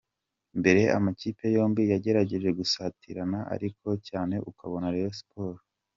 mbere amakipe yombi yagerageje gusatirana ariko cyane ukabona Rayon Sports